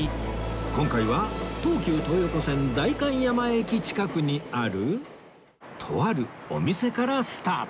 今回は東急東横線代官山駅近くにあるとあるお店からスタート